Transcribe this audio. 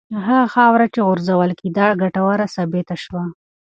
هغه خاوره چې غورځول کېده ګټوره ثابته شوه.